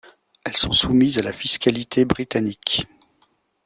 Elles sont soumises à la fiscalité britannique.